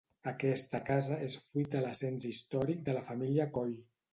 Aquesta casa és fruit de l'ascens històric de la família Coll.